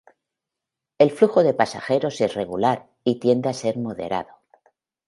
El flujo de pasajeros es regular y tiende a ser moderado.